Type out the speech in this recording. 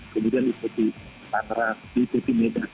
kemudian itu di tateran di depi medan